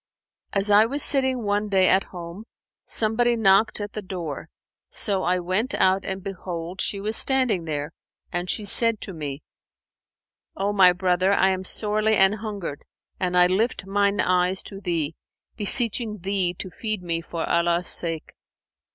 As I was sitting one day at home, somebody knocked at the door; so I went out and behold, she was standing there; and she said to me, 'O my brother, I am sorely an hungered and I lift mine eyes to thee, beseeching thee to feed me for Allah's sake!'